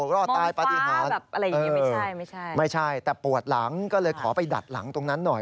รอดตายปฏิหารไม่ใช่แต่ปวดหลังก็เลยขอไปดัดหลังตรงนั้นหน่อย